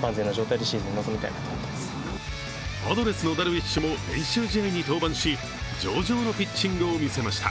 パドレスのダルビッシュも練習試合に登板し、上々のピッチングを見せました。